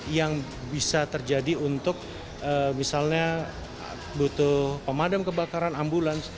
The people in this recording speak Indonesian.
yang bisa terjadi untuk misalnya butuh pemadam kebakaran ambulans